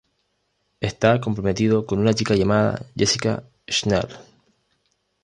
Está comprometido con una chica llamada Jessica Schnell.